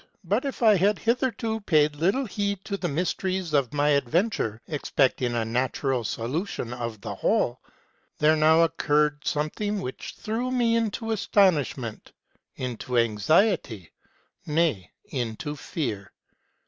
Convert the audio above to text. But if I had hitherto paid little heed to the mysteries of my adventure, expecting a natural solution of the whole, there now occurred something which threw me into astonishment, into anxiety, nay, into fear.